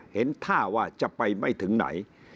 เห็นท่าว่าจะไปไม่ถึงไหน